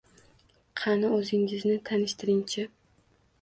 — Qani, o‘zingizni tanishtiring-chi?